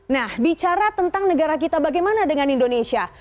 nah bicara tentang negara kita bagaimana dengan indonesia